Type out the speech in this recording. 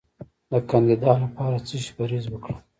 د کاندیدا لپاره د څه شي پرهیز وکړم؟